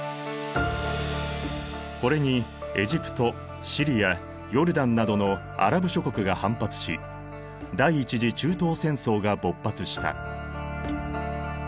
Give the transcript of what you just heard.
これにエジプトシリアヨルダンなどのアラブ諸国が反発し第１次中東戦争が勃発した。